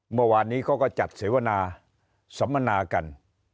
เมื่อวานนี้เขาก็จัดเสวนาสัมมนากัน